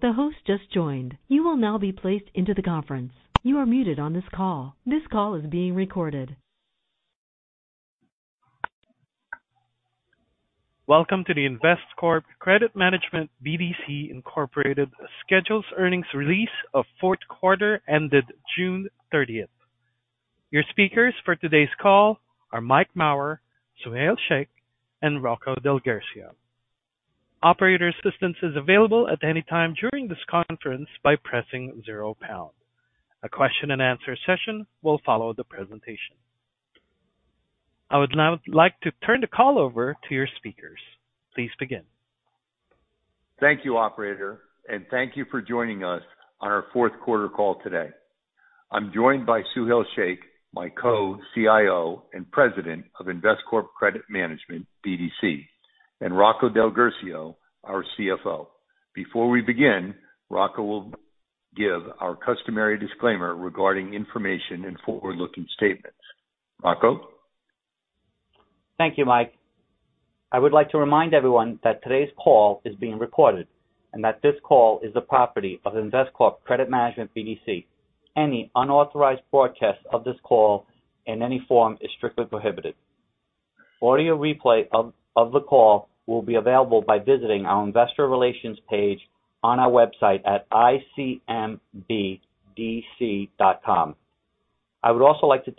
The host just joined. You will now be placed into the conference. You are muted on this call. This call is being recorded. Welcome to the Investcorp Credit Management BDC Incorporated scheduled earnings release of fourth quarter ended June 30. Your speakers for today's call are Mike Maurer, Suhail Shaikh, and Rocco DelGuercio. Operator assistance is available at any time during this conference by pressing zero pound. A question and answer session will follow the presentation. I would now like to turn the call over to your speakers. Please begin. Thank you, operator, and thank you for joining us on our fourth quarter call today. I'm joined by Suhail Shaikh, my Co-CIO and President of Investcorp Credit Management BDC, and Rocco DelGuercio, our CFO. Before we begin, Rocco will give our customary disclaimer regarding information and forward-looking statements. Rocco? Thank you, Mike. I would like to remind everyone that today's call is being recorded and that this call is the property of Investcorp Credit Management BDC. Any unauthorized broadcast of this call in any form is strictly prohibited. Audio replay of the call will be available by visiting our investor relations page on our website at icmbdc.com. I would also like to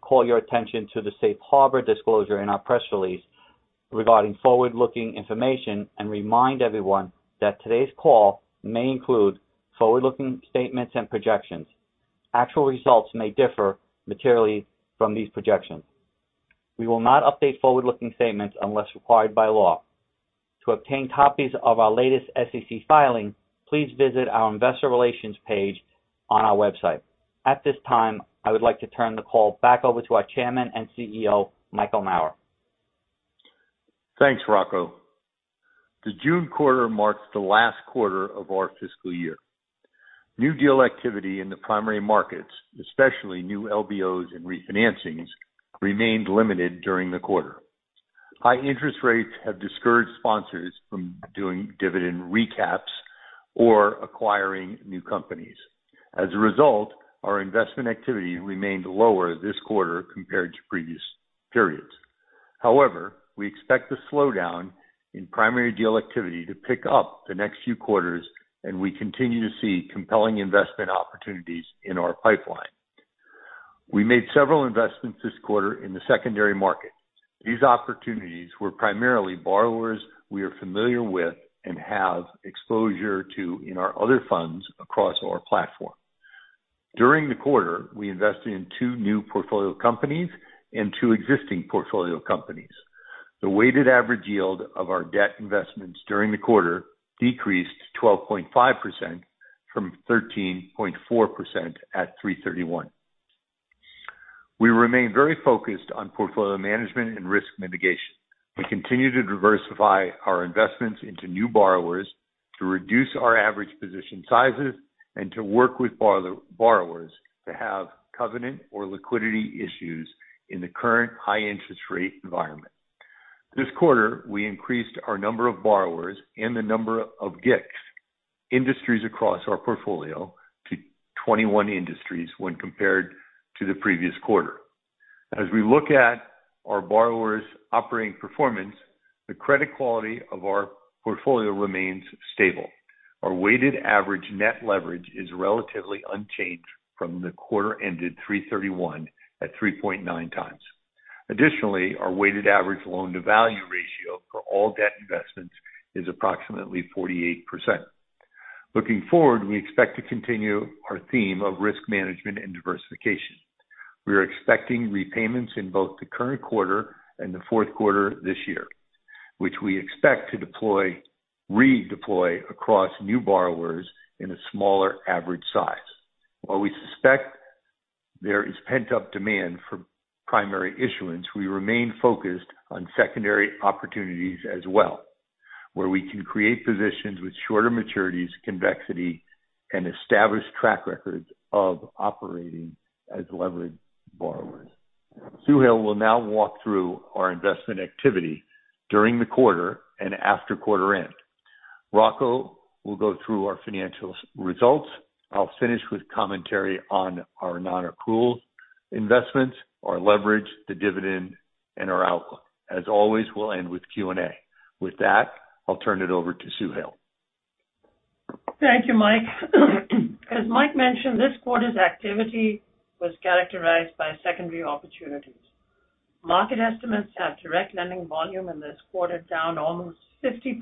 call your attention to the Safe Harbor disclosure in our press release regarding forward-looking information and remind everyone that today's call may include forward-looking statements and projections. Actual results may differ materially from these projections. We will not update forward-looking statements unless required by law. To obtain copies of our latest SEC filing, please visit our investor relations page on our website. At this time, I would like to turn the call back over to our Chairman and CEO, Michael Maurer. Thanks, Rocco. The June quarter marks the last quarter of our fiscal year. New deal activity in the primary markets, especially new LBOs and refinancings, remained limited during the quarter. High interest rates have discouraged sponsors from doing dividend recaps or acquiring new companies. As a result, our investment activity remained lower this quarter compared to previous periods. However, we expect the slowdown in primary deal activity to pick up the next few quarters, and we continue to see compelling investment opportunities in our pipeline. We made several investments this quarter in the secondary market. These opportunities were primarily borrowers we are familiar with and have exposure to in our other funds across our platform. During the quarter, we invested in two new portfolio companies and two existing portfolio companies. The weighted average yield of our debt investments during the quarter decreased 12.5% from 13.4% at 3/31. We remain very focused on portfolio management and risk mitigation. We continue to diversify our investments into new borrowers, to reduce our average position sizes, and to work with borrowers who have covenant or liquidity issues in the current high interest rate environment. This quarter, we increased our number of borrowers and the number of GICS industries across our portfolio to 21 industries when compared to the previous quarter. As we look at our borrowers' operating performance, the credit quality of our portfolio remains stable. Our weighted average net leverage is relatively unchanged from the quarter ended 3/31 at 3.9 times. Additionally, our weighted average loan-to-value ratio for all debt investments is approximately 48%. Looking forward, we expect to continue our theme of risk management and diversification. We are expecting repayments in both the current quarter and the fourth quarter this year, which we expect to deploy, redeploy across new borrowers in a smaller average size. While we suspect there is pent-up demand for primary issuance, we remain focused on secondary opportunities as well, where we can create positions with shorter maturities, convexity, and established track records of operating as leveraged borrowers. Suhail will now walk through our investment activity during the quarter and after quarter end. Rocco will go through our financial results. I'll finish with commentary on our non-accrual investments, our leverage, the dividend, and our outlook. As always, we'll end with Q&A. With that, I'll turn it over to Suhail. Thank you, Mike. As Mike mentioned, this quarter's activity was characterized by secondary opportunities. Market estimates have direct lending volume in this quarter, down almost 50%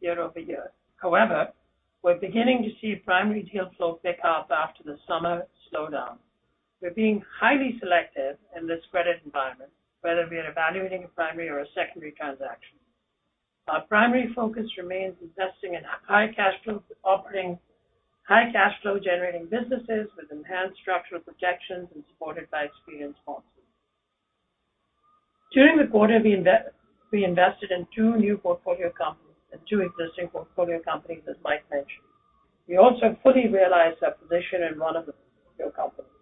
year-over-year. However, we're beginning to see primary deal flow pick up after the summer slowdown. We're being highly selective in this credit environment, whether we are evaluating a primary or a secondary transaction. Our primary focus remains investing in high cash flow, operating high cash flow, generating businesses with enhanced structural protections and supported by experienced sponsors. During the quarter, we invested in two new portfolio companies and two existing portfolio companies, as Mike mentioned. We also fully realized our position in one of the portfolio companies.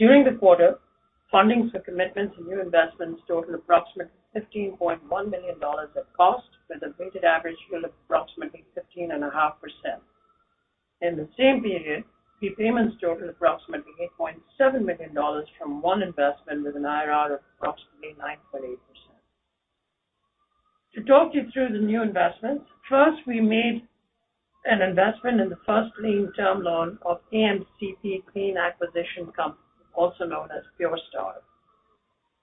During the quarter, fundings for commitments and new investments totaled approximately $15.1 million at cost, with a weighted average yield of approximately 15.5%. In the same period, the payments totaled approximately $8.7 million from one investment, with an IRR of approximately 9.8%. To talk you through the new investments, first, we made an investment in the first lien term loan of AMCP Clean Acquisition Company, also known as PureStar.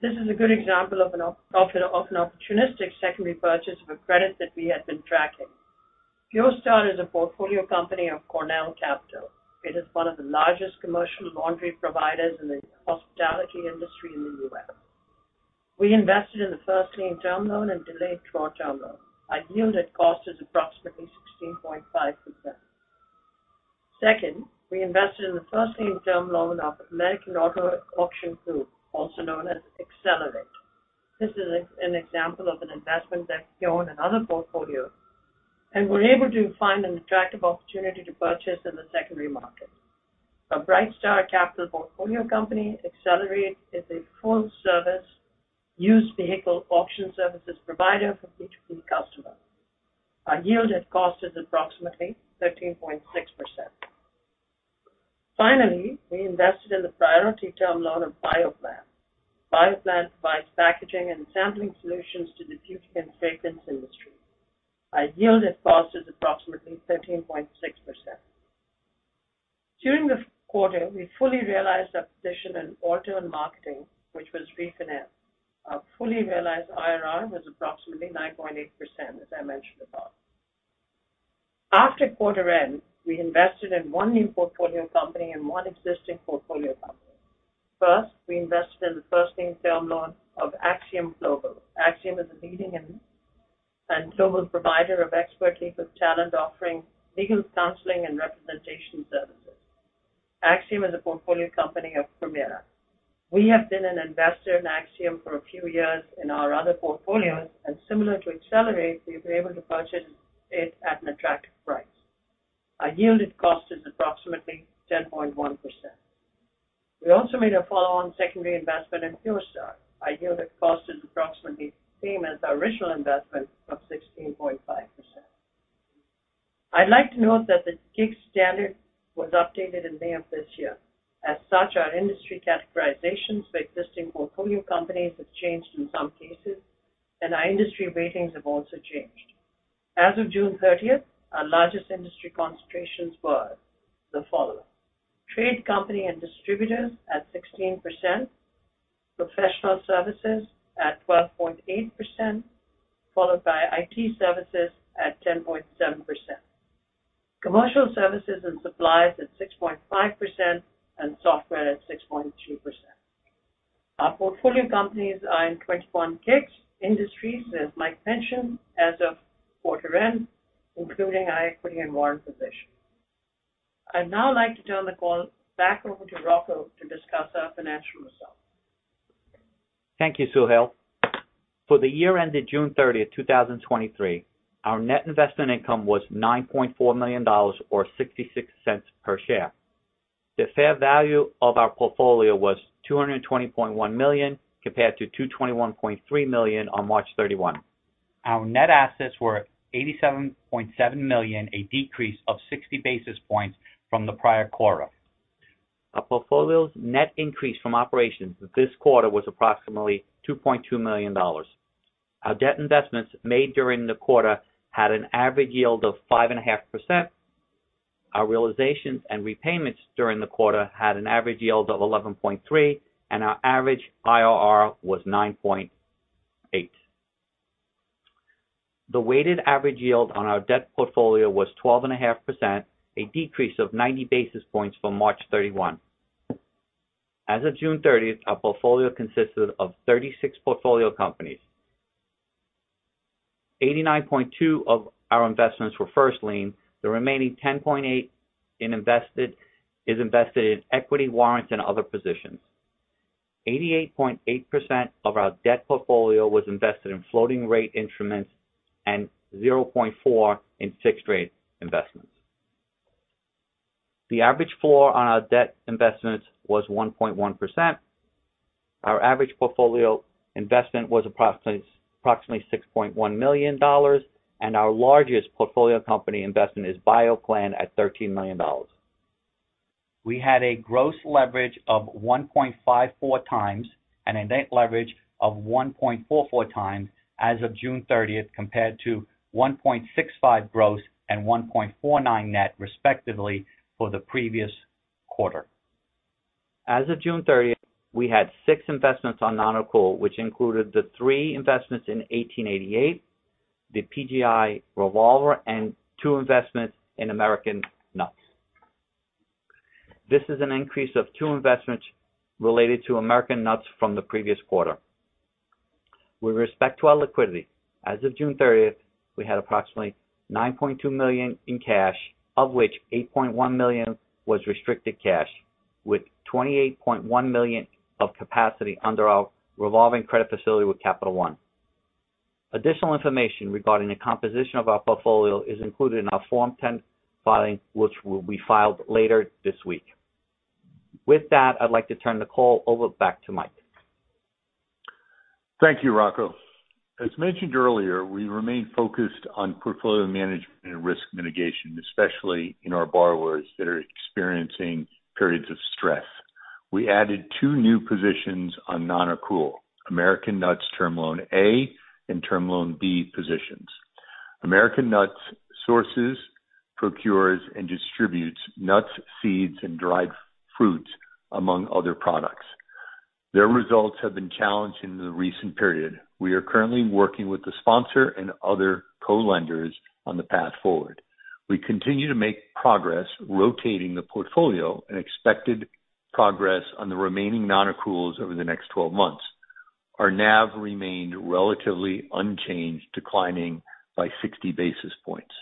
This is a good example of an opportunistic secondary purchase of a credit that we had been tracking. PureStar is a portfolio company of Cornell Capital. It is one of the largest commercial laundry providers in the hospitality industry in the U.S. We invested in the first lien term loan and delayed draw term loan. Our yield at cost is approximately 16.5%. Second, we invested in the first lien term loan of American Auto Auction Group, also known as XLerate. This is an example of an investment that we own another portfolio, and we're able to find an attractive opportunity to purchase in the secondary market. A Brightstar Capital portfolio company, XLerate Group, is a full service, used vehicle auction services provider for B2B customers. Our yield at cost is approximately 13.6%. Finally, we invested in the priority term loan of Bioplan. Bioplan provides packaging and sampling solutions to the beauty and fragrance industry. Our yield at cost is approximately 13.6%. During the quarter, we fully realized our position in Autumn Harp, which was refinanced. Our fully realized IRR was approximately 9.8%, as I mentioned above. After quarter end, we invested in one new portfolio company and one existing portfolio company. First, we invested in the first lien term loan of Axiom Global. Axiom is a leading and global provider of expertise with talent, offering legal counseling and representation services. Axiom is a portfolio company of Permira. We have been an investor in Axiom for a few years in our other portfolios, and similar to XLerate, we were able to purchase it at an attractive price. Our yielded cost is approximately 10.1%. We also made a follow-on secondary investment in PureStar. Our yielded cost is approximately the same as our original investment of 16.5%. I'd like to note that the GICS standard was updated in May of this year. As such, our industry categorizations for existing portfolio companies have changed in some cases, and our industry ratings have also changed. As of June 30, our largest industry concentrations were the following: trading companies and distributors at 16%, professional services at 12.8%, followed by IT services at 10.7%. Commercial services and supplies at 6.5%, and software at 6.2%. Our portfolio companies are in 21 GICS industries, as Mike mentioned, as of quarter end, including our equity and warrant position. I'd now like to turn the call back over to Rocco to discuss our financial results. Thank you, Suhail. For the year ended June 30, 2023, our net investment income was $9.4 million, or $0.66 per share. The fair value of our portfolio was $220.1 million, compared to $221.3 million on March 31. Our net assets were $87.7 million, a decrease of 60 basis points from the prior quarter. Our portfolio's net increase from operations this quarter was approximately $2.2 million. Our debt investments made during the quarter had an average yield of 5.5%. Our realizations and repayments during the quarter had an average yield of 11.3%, and our average IRR was 9.8%. The weighted average yield on our debt portfolio was 12.5%, a decrease of 90 basis points from March 31. As of June 30, our portfolio consisted of 36 portfolio companies. 89.2% of our investments were first lien. The remaining 10.8% is invested in equity, warrants, and other positions. 88.8% of our debt portfolio was invested in floating rate instruments and 0.4% in fixed rate investments. The average floor on our debt investments was 1.1%. Our average portfolio investment was approximately $6.1 million, and our largest portfolio company investment is Bioplan at $13 million. We had a gross leverage of 1.54x and a net leverage of 1.44x as of June 30, compared to 1.65x gross and 1.49x net, respectively, for the previous quarter. As of June thirtieth, we had six investments on non-accrual, which included the three investments in 1888, the PGI revolver, and two investments in American Nuts. This is an increase of two investments related to American Nuts from the previous quarter. With respect to our liquidity, as of June thirtieth, we had approximately $9.2 million in cash, of which $8.1 million was restricted cash, with $28.1 million of capacity under our revolving credit facility with Capital One. Additional information regarding the composition of our portfolio is included in our Form 10-K filing, which will be filed later this week. With that, I'd like to turn the call over back to Mike. Thank you, Rocco. As mentioned earlier, we remain focused on portfolio management and risk mitigation, especially in our borrowers that are experiencing periods of stress. We added two new positions on nonaccrual, American Nuts Term Loan A and Term Loan B positions. American Nuts sources, procures, and distributes nuts, seeds, and dried fruits, among other products. Their results have been challenged in the recent period. We are currently working with the sponsor and other co-lenders on the path forward. We continue to make progress rotating the portfolio and expected progress on the remaining nonaccruals over the next 12 months. Our NAV remained relatively unchanged, declining by 60 basis points.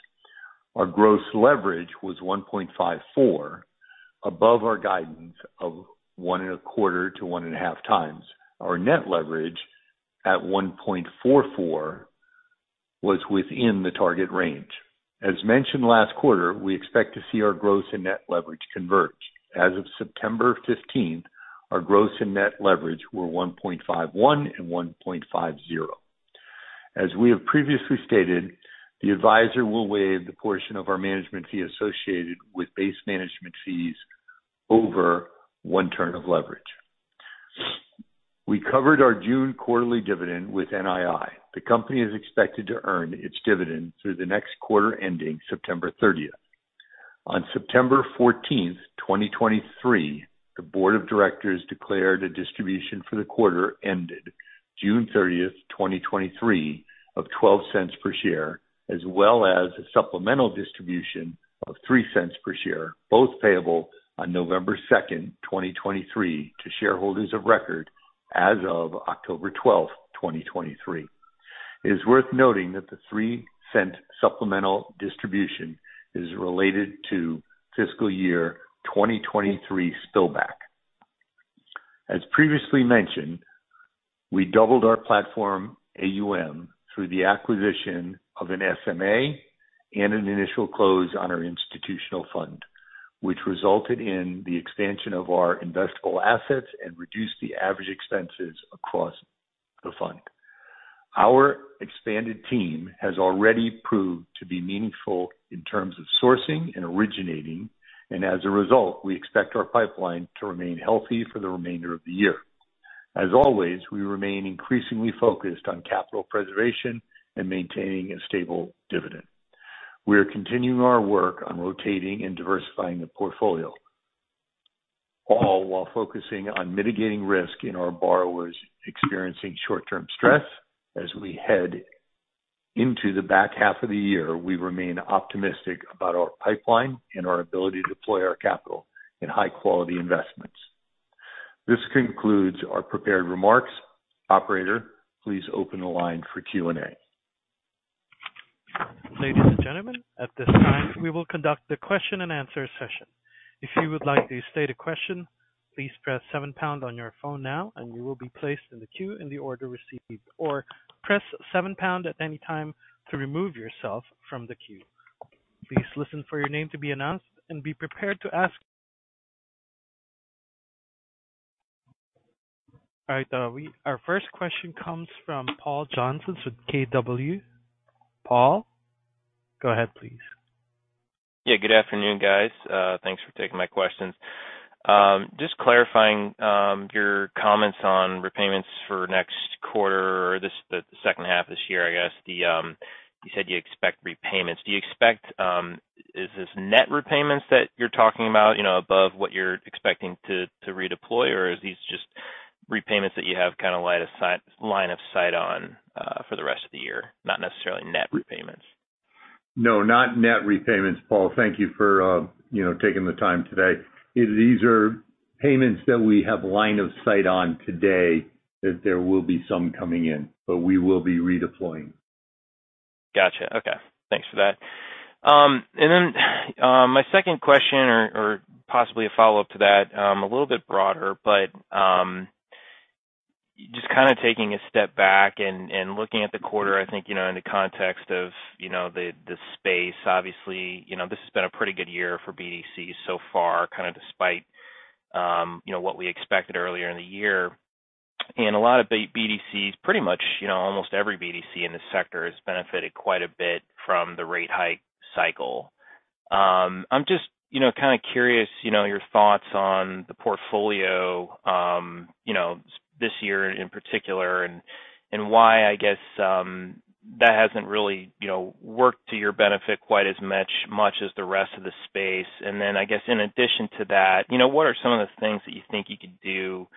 Our gross leverage was 1.54, above our guidance of 1.25x-1.5x. Our net leverage, at 1.44, was within the target range. As mentioned last quarter, we expect to see our gross and net leverage converge. As of September 15, our gross and net leverage were 1.51 and 1.50. As we have previously stated, the advisor will waive the portion of our management fee associated with base management fees over 1 turn of leverage. We covered our June quarterly dividend with NII. The company is expected to earn its dividend through the next quarter, ending September 30. On September 14, 2023, the board of directors declared a distribution for the quarter ended June 30, 2023, of $0.12 per share, as well as a supplemental distribution of $0.03 per share, both payable on November 2, 2023, to shareholders of record as of October 12, 2023. It is worth noting that the $0.03 supplemental distribution is related to fiscal year 2023 spillback. As previously mentioned, we doubled our platform AUM through the acquisition of an SMA and an initial close on our institutional fund, which resulted in the expansion of our investable assets and reduced the average expenses across the fund. Our expanded team has already proved to be meaningful in terms of sourcing and originating, and as a result, we expect our pipeline to remain healthy for the remainder of the year. As always, we remain increasingly focused on capital preservation and maintaining a stable dividend. We are continuing our work on rotating and diversifying the portfolio, all while focusing on mitigating risk in our borrowers experiencing short-term stress. As we head into the back half of the year, we remain optimistic about our pipeline and our ability to deploy our capital in high-quality investments. This concludes our prepared remarks. Operator, please open the line for Q&A. Ladies and gentlemen, at this time, we will conduct the question-and-answer session. If you would like to state a question, please press seven pound on your phone now, and you will be placed in the queue in the order received, or press seven pound at any time to remove yourself from the queue. Please listen for your name to be announced and be prepared to ask. All right, we our first question comes from Paul Johnson with KBW. Paul, go ahead, please. Yeah, good afternoon, guys. Thanks for taking my questions. Just clarifying your comments on repayments for next quarter or this, the second half this year, I guess. You said you expect repayments. Do you expect, is this net repayments that you're talking about, you know, above what you're expecting to, to redeploy? Or is these just repayments that you have kind of line of sight on, for the rest of the year, not necessarily net repayments? No, not net repayments, Paul. Thank you for, you know, taking the time today. These are payments that we have line of sight on today, that there will be some coming in, but we will be redeploying. Gotcha. Okay, thanks for that. And then, my second question or, or possibly a follow-up to that, a little bit broader, but, just kind of taking a step back and, and looking at the quarter, I think, you know, in the context of, you know, the, the space, obviously, you know, this has been a pretty good year for BDCs so far, kind of despite, you know, what we expected earlier in the year. And a lot of BDCs, pretty much, you know, almost every BDC in this sector has benefited quite a bit from the rate hike cycle. I'm just, you know, kind of curious, you know, your thoughts on the portfolio, you know, this year in particular, and why, I guess, that hasn't really, you know, worked to your benefit quite as much as the rest of the space. And then, I guess, in addition to that, you know, what are some of the things that you think you could do,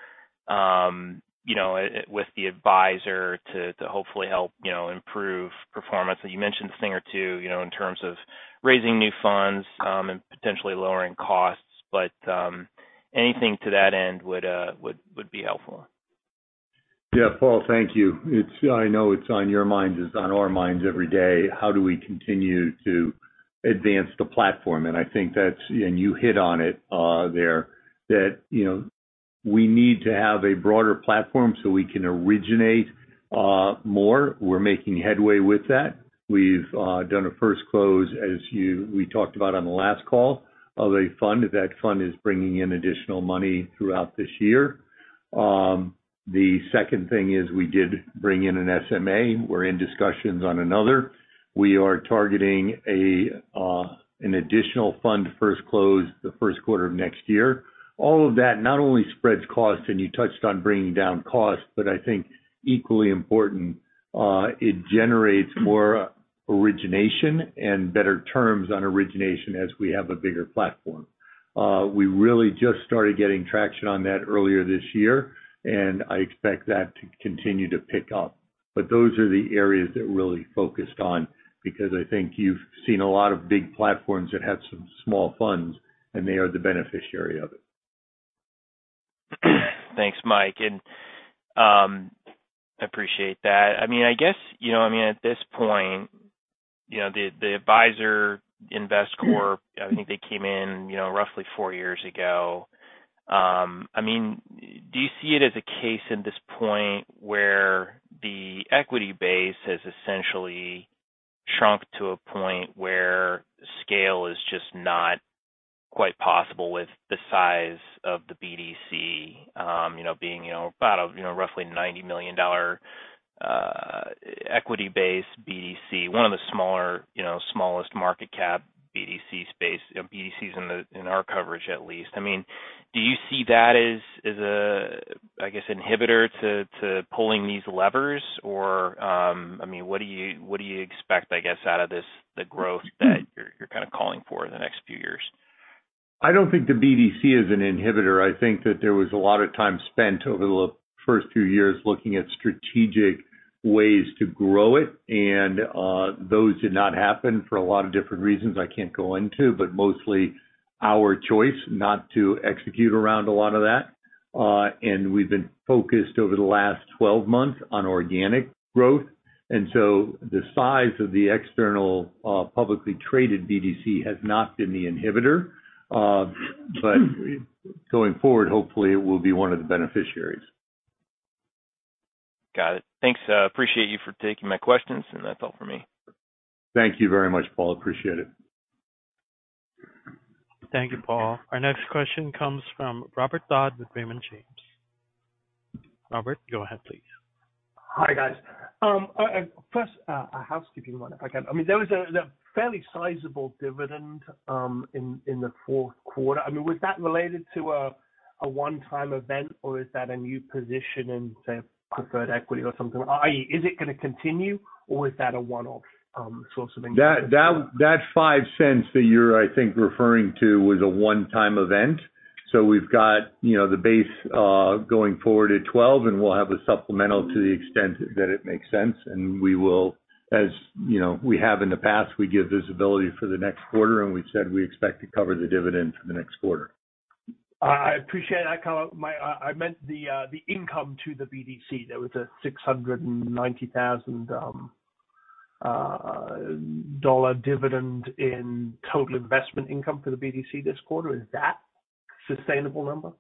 you know, with the advisor to hopefully help, you know, improve performance? You mentioned a thing or two, you know, in terms of raising new funds, and potentially lowering costs, but anything to that end would be helpful. Yeah, Paul, thank you. I know it's on your minds, it's on our minds every day: How do we continue to advance the platform? I think that's, and you hit on it, you know, we need to have a broader platform so we can originate more. We're making headway with that. We've done a first close, as you—we talked about on the last call, of a fund. That fund is bringing in additional money throughout this year. The second thing is we did bring in an SMA, we're in discussions on another. We are targeting an additional fund, first close, the first quarter of next year. All of that not only spreads costs, and you touched on bringing down costs, but I think equally important, it generates more origination and better terms on origination as we have a bigger platform. We really just started getting traction on that earlier this year, and I expect that to continue to pick up. But those are the areas that we're really focused on, because I think you've seen a lot of big platforms that have some small funds, and they are the beneficiary of it. Thanks, Mike, and, appreciate that. I mean, I guess, you know, I mean, at this point, you know, the, the advisor Investcorp, I think they came in, you know, roughly four years ago. I mean, do you see it as a case at this point where the equity base has essentially shrunk to a point where scale is just not quite possible with the size of the BDC, you know, being, you know, about, you know, roughly $90 million equity base BDC, one of the smaller, you know, smallest market cap BDC space, BDCs in the, in our coverage, at least? I mean, do you see that as, as a, I guess, inhibitor to, to pulling these levers? I mean, what do you expect, I guess, out of this, the growth that you're kind of calling for in the next few years? I don't think the BDC is an inhibitor. I think that there was a lot of time spent over the first two years looking at strategic ways to grow it, and those did not happen for a lot of different reasons I can't go into, but mostly our choice not to execute around a lot of that. We've been focused over the last 12 months on organic growth, and so the size of the external, publicly traded BDC has not been the inhibitor. Going forward, hopefully, it will be one of the beneficiaries. Got it. Thanks. Appreciate you for taking my questions, and that's all for me. Thank you very much, Paul. Appreciate it. Thank you, Paul. Our next question comes from Robert Dodd with Raymond James. Robert, go ahead, please. Hi, guys. First, a housekeeping one, if I can. I mean, there was a fairly sizable dividend in the fourth quarter. I mean, was that related to a one-time event, or is that a new position in, say, preferred equity or something? I.e., is it gonna continue or is that a one-off sort of thing? That five cents that you're, I think, referring to was a one-time event. So we've got, you know, the base going forward at 12, and we'll have a supplemental to the extent that it makes sense, and we will, as, you know, we have in the past, we give visibility for the next quarter, and we've said we expect to cover the dividend for the next quarter. I appreciate that color. My, I meant the, the income to the BDC. There was a $690,000 dividend in total investment income for the BDC this quarter. Is that sustainable number?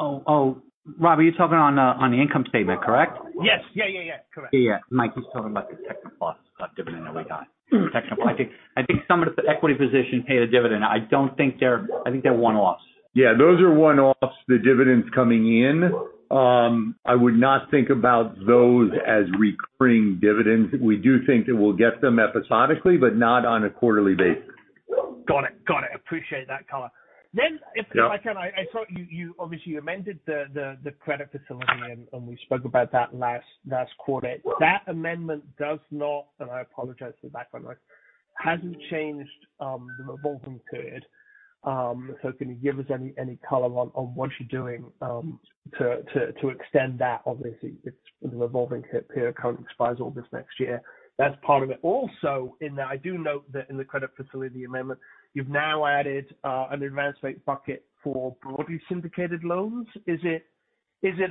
Oh, Rob, are you talking on the income statement, correct? Yes. Yeah, yeah, yeah. Correct. Yeah. Mike, he's talking about the technical loss, dividend that we got. Technical. I think, I think some of the equity positions pay a dividend. I don't think they're. I think they're one-offs. Yeah, those are one-offs, the dividends coming in. I would not think about those as recurring dividends. We do think that we'll get them episodically, but not on a quarterly basis. Got it. Got it. Appreciate that color. Then if I can, I saw you obviously amended the credit facility, and we spoke about that last quarter. That amendment does not, and I apologize for that one, like, hasn't changed the revolving period. So can you give us any color on what you're doing to extend that? Obviously, it's the revolving period currently expires all this next year. That's part of it. Also, in that, I do note that in the credit facility amendment, you've now added an advance rate bucket for broadly syndicated loans. Is it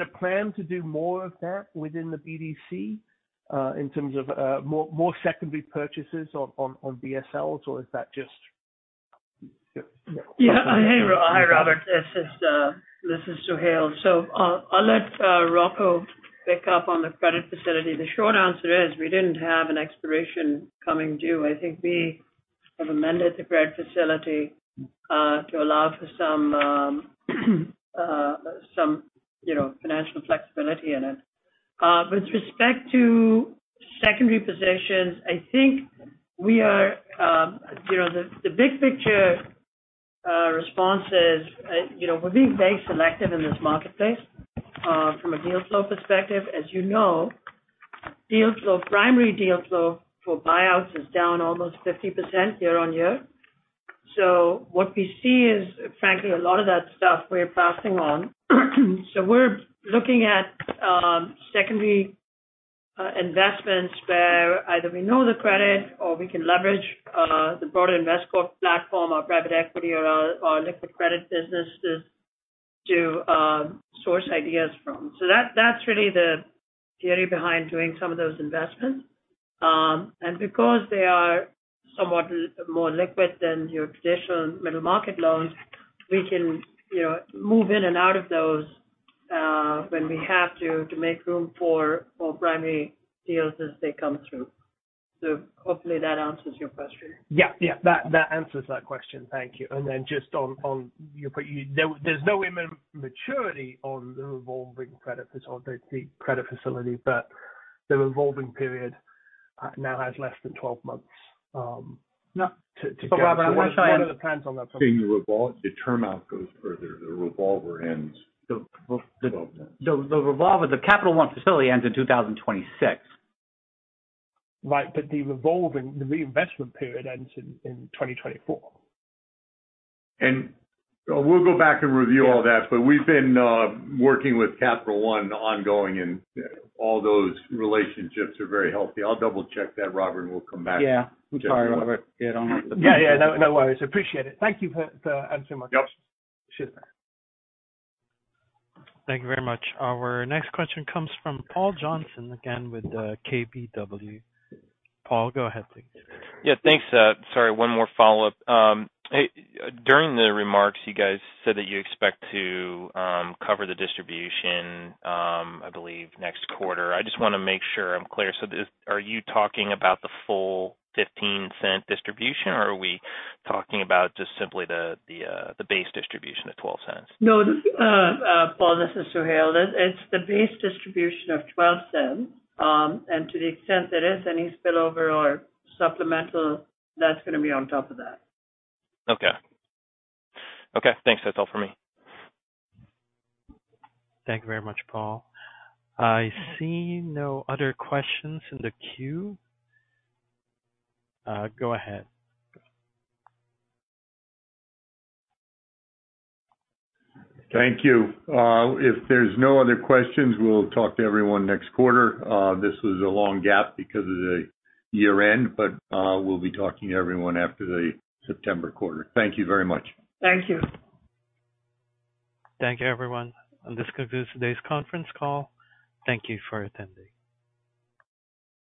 a plan to do more of that within the BDC in terms of more secondary purchases on BSLs, or is that just. Yeah. Yeah. Hi, Robert. This is Suhail. So I'll let Rocco pick up on the credit facility. The short answer is we didn't have an expiration coming due. I think we have amended the credit facility to allow for some, you know, financial flexibility in it. With respect to secondary positions, I think we are, you know, the big picture response is, you know, we're being very selective in this marketplace from a deal flow perspective. As you know, deal flow, primary deal flow for buyouts is down almost 50% year-on-year. So what we see is, frankly, a lot of that stuff we're passing on. We're looking at secondary investments where either we know the credit or we can leverage the broader Investcorp platform, our private equity, or our liquid credit businesses to source ideas from. That's really the theory behind doing some of those investments. Because they are somewhat more liquid than your traditional middle market loans, we can, you know, move in and out of those when we have to, to make room for primary deals as they come through. Hopefully that answers your question. Yeah. Yeah, that, that answers that question. Thank you. And then just on, on your, but you—there, there's no immediate maturity on the revolving credit facility or the, the credit facility, but the revolving period now has less than 12 months. No. To, to- But, Robert, I wanna try and- One of the plans on that front. Being the revolver, the term-out goes further, the revolver ends. The revolver, the Capital One facility ends in 2026. Right, but the revolving, the reinvestment period ends in, in 2024. We'll go back and review all that, but we've been working with Capital One ongoing, and all those relationships are very healthy. I'll double-check that, Robert, and we'll come back. Yeah, I'm sorry, Robert. Yeah, don't have to- Yeah, yeah, no, no worries. Appreciate it. Thank you for the answer very much. Yep. Sure. Thank you very much. Our next question comes from Paul Johnson, again, with KBW. Paul, go ahead, please. Yeah, thanks. Sorry, one more follow-up. Hey, during the remarks, you guys said that you expect to cover the distribution, I believe, next quarter. I just wanna make sure I'm clear. This are you talking about the full $0.15 distribution, or are we talking about just simply the base distribution of $0.12? No, Paul, this is Suhail. It's the base distribution of $0.12. And to the extent there is any spillover or supplemental, that's gonna be on top of that. Okay. Okay, thanks. That's all for me. Thank you very much, Paul. I see no other questions in the queue. Go ahead. Thank you. If there's no other questions, we'll talk to everyone next quarter. This was a long gap because of the year-end, but we'll be talking to everyone after the September quarter. Thank you very much. Thank you. Thank you, everyone. This concludes today's conference call. Thank you for attending.